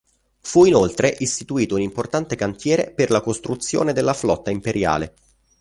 Fu inoltre istituito un importante cantiere per la costruzione della flotta imperiale.